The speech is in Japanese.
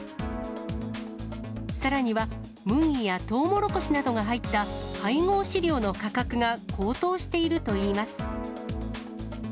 さらには、麦やとうもろこしなどが入った配合飼料の価格が高騰しているといいます。